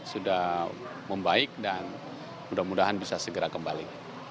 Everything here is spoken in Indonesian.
sudah membaik dan mudah mudahan bisa segera kembali